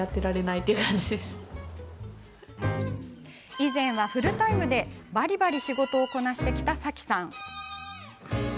以前はフルタイムでばりばり仕事をこなしてきた、さきさん。